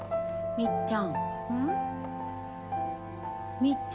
みっちゃん。